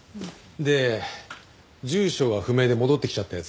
で住所が不明で戻ってきちゃったやつ。